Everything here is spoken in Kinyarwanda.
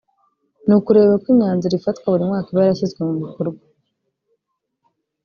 ni ukureba uko imyanzuro ifatwa buri mwaka iba yarashyizwe mu bikorwa